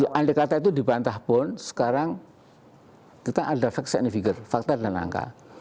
ya andai kata itu dibantah pun sekarang kita ada fact and figure faktor dan angka